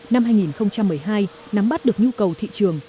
năm hai nghìn một mươi hai nắm bắt được nhu cầu thị trường